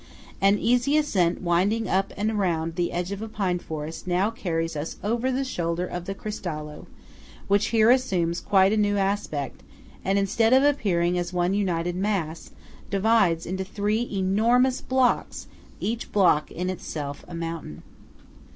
An easy ascent winding up and round the edge of a pine forest, now carries us over the shoulder of the Cristallo, which here assumes quite a new aspect, and instead of appearing as one united mass, divides into three enormous blocks, each block in itself a mountain.